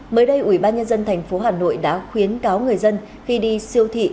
mới đây ủy ban nhân dân tp hà nội đã khuyến cáo người dân khi đi siêu thị